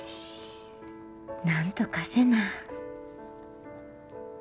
なんとかせな。